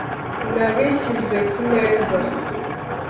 Nabishyize kumeza